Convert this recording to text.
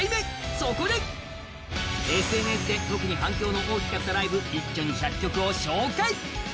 そこで、ＳＮＳで特に反響の大きかったライブ、一挙に１００曲を紹介！